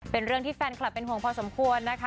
เป็นเรื่องที่แฟนคลับเป็นห่วงพอสมควรนะคะ